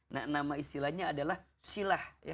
nah nama istilahnya adalah silah